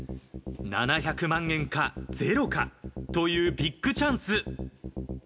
７００万円かゼロかというビッグチャンス。